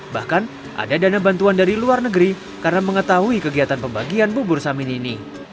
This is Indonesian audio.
bahkan ada dana bantuan dari luar negeri karena mengetahui kegiatan pembagian bubur samin ini